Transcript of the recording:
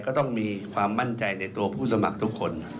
ก็ต้องมีความมั่นใจในตัวผู้สมัครทุกคน